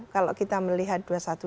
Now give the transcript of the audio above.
kalau kita melihat dua ratus dua belas